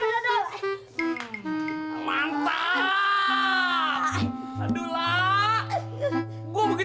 gue begitu nabrak lo rasanya untung banget